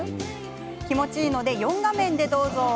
気持ちいいので４画面でどうぞ。